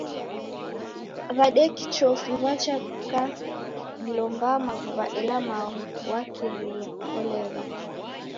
W'adeki chofi w'acha w'ikadilombaa maghuw'a ela Mao wakirilo. Olegha.